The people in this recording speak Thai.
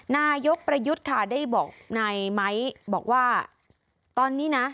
นายกประยุทธ์ค่ะได้บอกนายไม้บอกว่าตอนนี้นะ